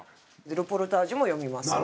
ルポルタージュも読みますね。